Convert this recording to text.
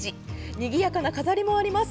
にぎやかな飾りもあります。